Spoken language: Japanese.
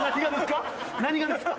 何がですか？